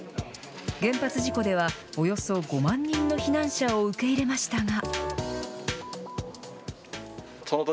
原発事故ではおよそ５万人の避難者を受け入れましたが。